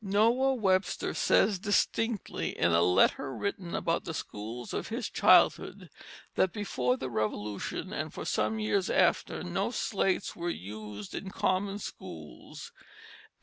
Noah Webster says distinctly in a letter written about the schools of his childhood, that "before the Revolution and for some years after no slates were used in common schools."